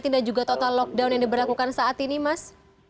dan juga total lockdown yang diberlakukan saat ini mas